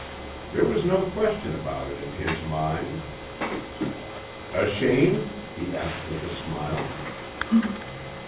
There was no question about it in his mind. "Ashamed?" he asked with a smile.